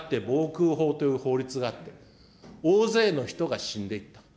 かつて防空法という法律があって、大勢の人が死んでいった。